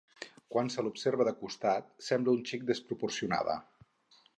Quan se l'observa de costat sembla un xic desproporcionada.